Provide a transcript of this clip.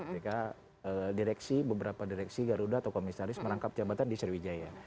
mereka direksi beberapa direksi garuda atau komisaris merangkap jabatan di sriwijaya